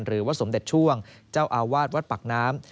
หรือว่าสมเด็จช่วงเจ้าอาวาสวัดปากน้ำ